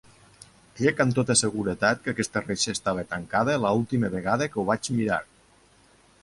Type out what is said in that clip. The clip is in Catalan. Crec amb tota seguretat que aquesta reixa estava tancada l'última vegada que ho vaig mirar.